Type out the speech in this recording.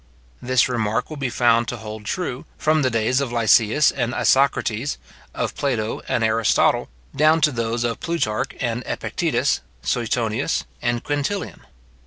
This remark will be found to hold true, from the days of Lysias and Isocrates, of Plato and Aristotle, down to those of Plutarch and Epictetus, Suetonius, and Quintilian.